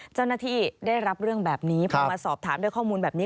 เจ้าหน้าที่ได้รับเรื่องแบบนี้พอมาสอบถามด้วยข้อมูลแบบนี้